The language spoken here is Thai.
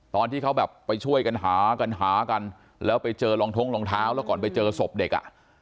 ตอนที่เขาแบบไปช่วยกันหากันหากันแล้วไปเจอรองท้องรองเท้าแล้วก่อนไปเจอศพเด็กอ่ะ